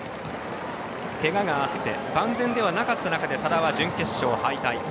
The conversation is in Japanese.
けががあって万全ではなかった中で多田は準決勝敗退。